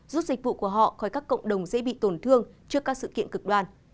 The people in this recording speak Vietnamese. giúp dịch vụ của họ khỏi các cộng đồng dễ bị tổn thương trước các sự kiện cực đoan